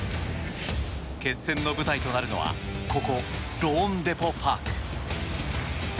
決戦の舞台となるのはここ、ローンデポ・パーク。